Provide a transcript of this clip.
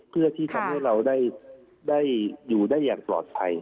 เพื่อที่ทำให้เราได้อยู่ได้อย่างปลอดภัย